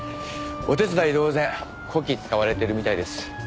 お手伝い同然こき使われてるみたいです。